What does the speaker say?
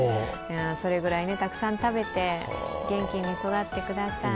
それぐらいたくさん食べて元気に育ってください。